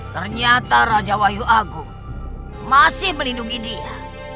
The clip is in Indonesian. ternyata raja wahyu agung masih melindungi dia